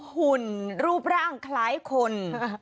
หุ่นรูปร่างคล้ายคน